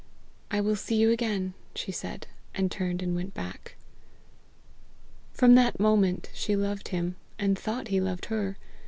"I will see you again," she said, and turned and went back. From that moment she loved him, and thought he loved her.